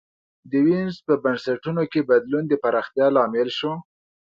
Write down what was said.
د وینز په بنسټونو کي بدلون د پراختیا لامل سو.